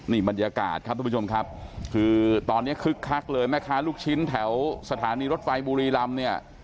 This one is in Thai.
นี่บรรยากาศครับทุกผู้ชมครับคือตอนนี้คึกคักเลยแม่ค้าลูกชิ้นแถวสถานีรถไฟบุรีรำเนี่ย